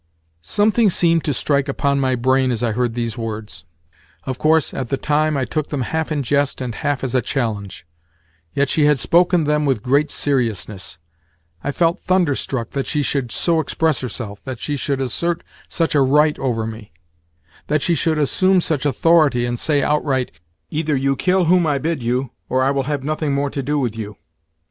Something seemed to strike upon my brain as I heard these words. Of course, at the time I took them half in jest and half as a challenge; yet, she had spoken them with great seriousness. I felt thunderstruck that she should so express herself, that she should assert such a right over me, that she should assume such authority and say outright: "Either you kill whom I bid you, or I will have nothing more to do with you."